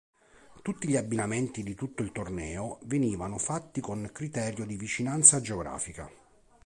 Tutti gli abbinamenti di tutto il torneo venivano fatti con criterio di vicinanza geografica.